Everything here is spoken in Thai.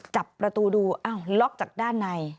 จับประตูดูอ้าวล็อกจากด้านใน